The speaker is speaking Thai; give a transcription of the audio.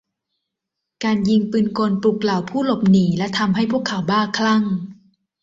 การยิงปืนกลปลุกเหล่าผู้หลบหนีและทำให้พวกเขาบ้าคลั่ง